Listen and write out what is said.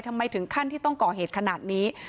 ถึงขั้นที่ต้องก่อเหตุขนาดนี้